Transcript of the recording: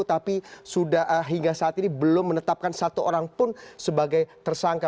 tapi hingga saat ini belum menetapkan satu orang pun sebagai tersangka